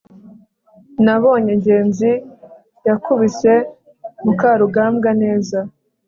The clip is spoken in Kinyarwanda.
nabonye ngenzi yakubise mukarugambwa neza